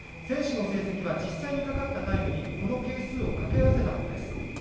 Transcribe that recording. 選手の成績は実際にかかったタイムに係数をかけ合わせたものです。